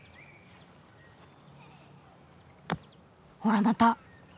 ほらまた。